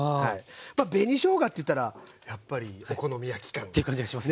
まあ紅しょうがっていったらやっぱりお好み焼き感が。っていう感じがします。